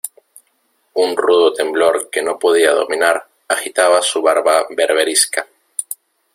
un rudo temblor que no podía dominar agitaba su barba berberisca.